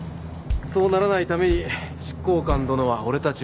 そうならないために執行官殿は俺たちを呼んだのさ。